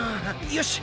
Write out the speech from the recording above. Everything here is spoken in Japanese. よし。